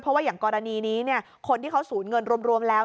เพราะว่าอย่างกรณีนี้คนที่เขาสูญเงินรวมแล้ว